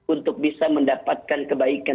untuk bisa mendapatkan kebaikan